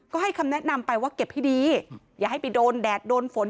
ก็ให้คำแนะนำไปว่าเก็บให้ดีอย่าให้ไปโดนแดดโดนฝน